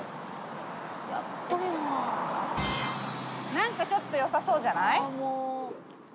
なんかちょっとよさそうじゃない？